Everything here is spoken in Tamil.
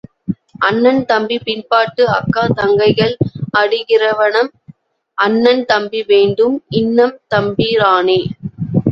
அண்ணன் தம்பி பின்பாட்டு அக்கா தங்கைகள் அடிகிரவணம், அண்ணன் தம்பி வேண்டும், இன்னம் தம்பிரானே.